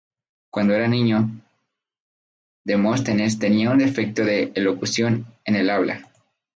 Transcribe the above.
Cuando era niño, Demóstenes tenía un defecto de elocución en el habla.